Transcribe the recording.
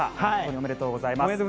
おめでとうございます。